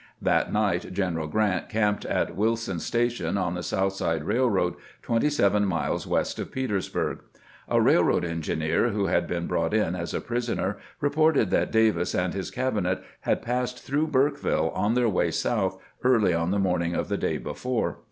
That night General Grant camped at Wil son's Station on the South Side Railroad, twenty seven miles west of Petersburg. A railroad engineer who had been brought in as a prisoner reported that Davis and his cabinet had passed through BurkeviUe, on their way south, early on the morning of the day before.